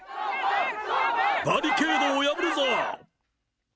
バリケードを破るぞ！